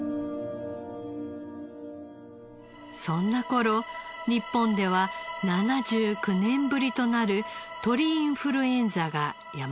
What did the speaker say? そんな頃日本では７９年ぶりとなる鳥インフルエンザが山口県で発生。